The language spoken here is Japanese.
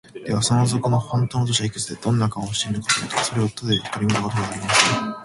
では、その賊のほんとうの年はいくつで、どんな顔をしているのかというと、それは、だれひとり見たことがありません。